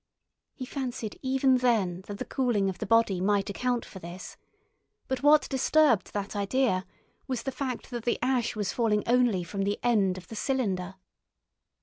He fancied even then that the cooling of the body might account for this, but what disturbed that idea was the fact that the ash was falling only from the end of the cylinder.